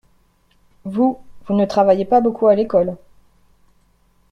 Vous, vous ne travailliez pas beaucoup à l’école.